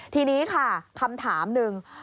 ทีนี้ค่ะคำถามหนึ่ง